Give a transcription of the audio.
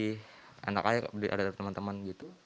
jadi anak saya ada teman teman gitu